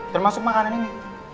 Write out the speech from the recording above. termasuk makanan ini